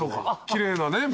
奇麗なね。